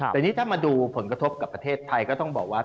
แต่นี่ถ้ามาดูผลกระทบกับประเทศไทยก็ต้องบอกว่า